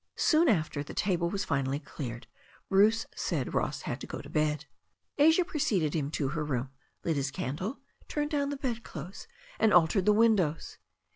Soon after the table was finally cleared Bruce said Ross had to go to bed, Asia preceded him to her room, lit his candle, turned down the bed clothes, and altered the win dows.